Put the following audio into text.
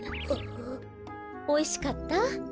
おいしかった？